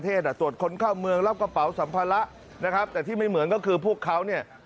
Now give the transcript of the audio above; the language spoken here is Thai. แต่ที่ไม่เหมือนก็คือพวกเขาเนี่ย